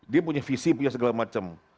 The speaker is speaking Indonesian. dia punya visi punya segala macam